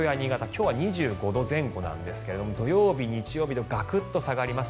今日は２５度前後なんですが土曜日、日曜日とガクッと下がります。